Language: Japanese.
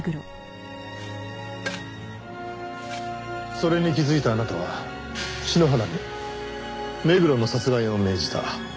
それに気づいたあなたは篠原に目黒の殺害を命じた。